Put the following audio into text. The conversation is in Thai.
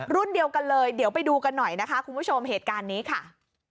รุ่นเดียวกันเลยเดี๋ยวไปดูกันหน่อยนะคะคุณผู้ชมเหตุการณ์นี้ค่ะ